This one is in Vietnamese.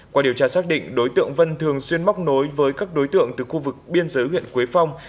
qua điều tra xác định đối tượng vân thường xuyên móc nối với các đối tượng từ khu vực biên giới huyện quế phong